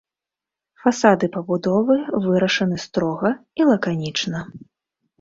Фасады пабудовы вырашаны строга і лаканічна.